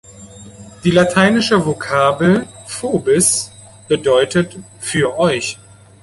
Die lateinische Vokabel „vobis“ bedeutet „für euch“.